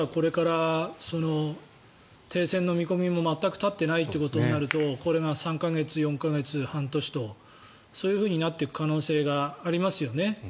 ２か月たってまだこれから停戦の見込みも全く立っていないということになるとこれが３か月、４か月、半年とそういうふうになっていく可能性がありますよね。